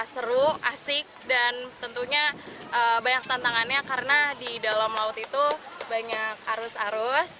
seru asik dan tentunya banyak tantangannya karena di dalam laut itu banyak arus arus